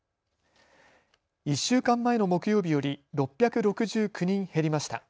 １週間前の木曜日より６６９人減りました。